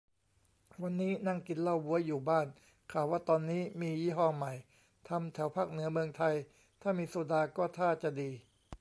วันนี้นั่งกินเหล้าบ๊วยอยู่บ้าน ข่าวว่าตอนนี้มียี่ห้อใหม่ ทำแถวภาคเหนือเมืองไทย ถ้ามีโซดาก็ท่าจะดี